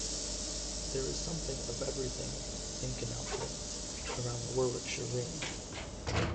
There is something of everything, in canal terms, around the Warwickshire Ring.